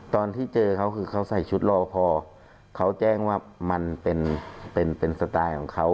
ตอนที่เจอเขาคือเขาใส่ชุดรอพอเขาแจ้งว่ามันเป็นเป็นสไตล์ของเขา